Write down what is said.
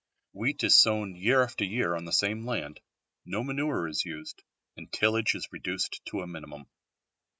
Wheat is sown year after year on the same land, no manure is used, and tillage is reduced to a minimum.